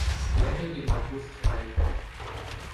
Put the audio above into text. لہجوں کی معکوس چھٹائی کریں